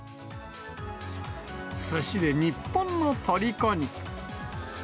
すしで日本のとりこに。